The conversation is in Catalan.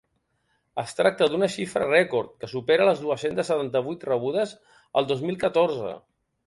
Es tracta d’una xifra rècord, que supera les dues-centes setanta-vuit rebudes el dos mil catorze.